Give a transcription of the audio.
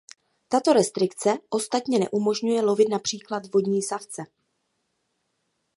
Tato restrikce ostatně neumožňuje lovit například vodní savce.